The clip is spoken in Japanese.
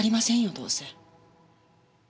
どうせ。